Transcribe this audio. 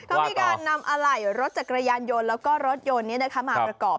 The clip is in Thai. เขามีการนำอะไหล่รถจักรยานยนต์แล้วก็รถยนต์นี้มาประกอบ